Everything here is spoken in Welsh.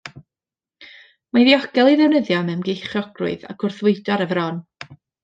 Mae'n ddiogel ei ddefnyddio mewn beichiogrwydd ac wrth fwydo ar y fron.